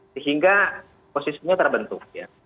sehingga ekosistemnya terbentuk